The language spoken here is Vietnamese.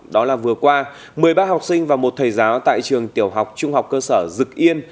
đó là vừa qua một mươi ba học sinh và một thầy giáo tại trường tiểu học trung học cơ sở dực yên